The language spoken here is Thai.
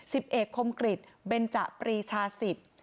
สิบเอกคมกฤษเบนจะปรีชาสิบ